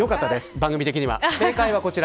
番組的には正解はこちら。